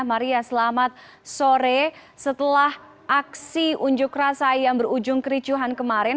maria selamat sore setelah aksi unjuk rasa yang berujung kericuhan kemarin